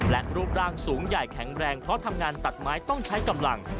และรูปร่างสูงใหญ่แข็งแรงเพราะทำงานตัดไม้ต้องใช้กำลัง